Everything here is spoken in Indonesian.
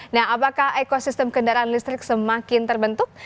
nah apakah ekosistem kendaraan listrik semakin terbentuk